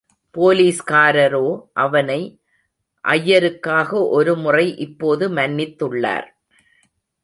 போலீஸ்காரரோ, அவனை ஐயருக்காக ஒரு முறை இப்போது மன்னித்துள்ளார்.